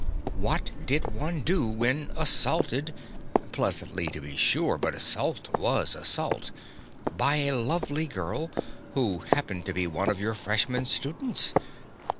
What did one do when assaulted (pleasantly, to be sure, but assault was assault) by a lovely girl who happened to be one of your freshman students?